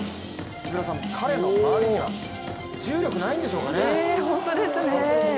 彼の周りには重力がないんでしょうかね？